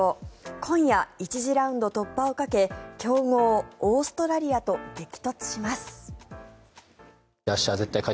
今夜、１次ラウンド突破をかけ強豪オーストラリアと激突します。